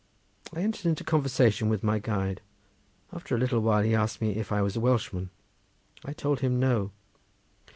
I entered into conversation with my guide. After a little time he asked me if I was a Welshman. I told him no.